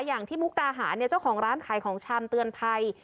อย่างที่มุกตาหาเนี่ยเจ้าของร้านขายของชำเตือนภัย